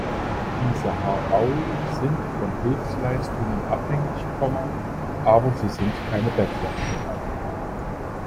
Die Saharaui sind von Hilfeleistungen abhängig, aber sie sind keine Bettler.